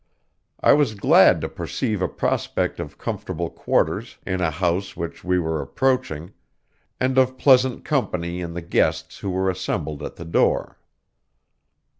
I was glad to perceive a prospect of comfortable quarters in a house which we were approaching, and of pleasant company in the guests who were assembled at the door.